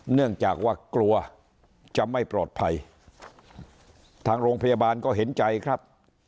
เนื่องจากว่ากลัวจะไม่ปลอดภัยทางโรงพยาบาลก็เห็นใจครับ